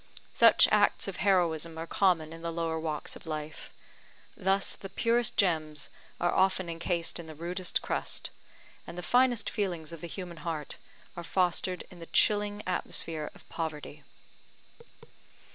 Such acts of heroism are common in the lower walks of life. Thus, the purest gems are often encased in the rudest crust; and the finest feelings of the human heart are fostered in the chilling atmosphere of poverty.